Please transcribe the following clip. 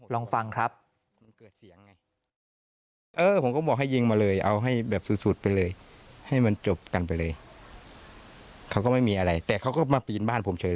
ลองฟังครับ